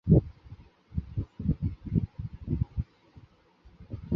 ফলে সংস্কৃত অলঙ্কারশাস্ত্রকেই তাঁরা বাংলা ভাষায় কাব্য রচনার সময় প্রয়োগ করেছেন।